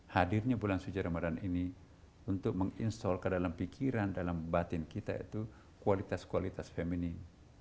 hadirnya bulan suci ramadan ini untuk menginstall ke dalam pikiran dalam batin kita itu kualitas kualitas feminin